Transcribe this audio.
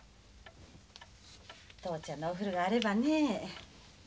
父ちゃんのお古があればね。